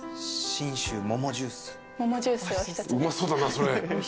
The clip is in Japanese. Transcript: うまそうだなそれ。